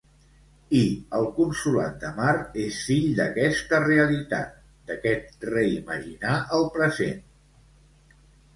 I el Consolat de Mar és fill d'aquesta realitat, d'aquest reimaginar el present.